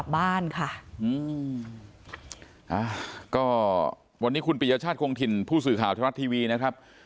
วันนี้คุณปริญญาชาติโครงถิ่นผู้สื่อข่าวธรรมรัฐทีวีนะครับ